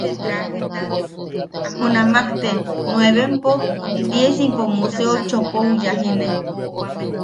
Junamakte nuevempo diesiempo Museo chopou yajine.